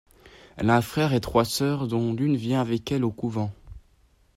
Elle a un frère et trois sœurs, dont l'une vient avec elle au couvent.